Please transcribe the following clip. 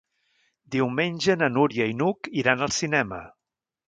Diumenge na Núria i n'Hug iran al cinema.